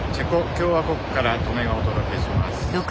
共和国から刀祢がお届けします。